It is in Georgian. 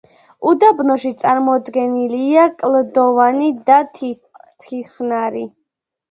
უდაბნოში წარმოდგენილია კლდოვანი და თიხნარი ვაკეები, მლაშობი დაბლობები.